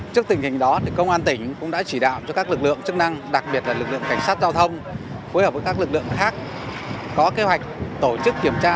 trước tình hình đó công an tỉnh cũng đã chỉ đạo cho các lực lượng chức năng đặc biệt là lực lượng cảnh sát giao thông phối hợp với các lực lượng khác có kế hoạch tổ chức kiểm tra